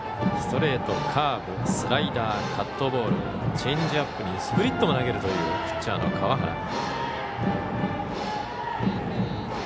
ストレート、カーブスライダー、カットボールチェンジアップにスプリットも投げるというピッチャーの川原。